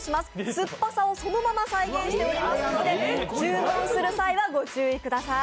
酸っぱさをそのまま再現していますので注文する際はご注意ください。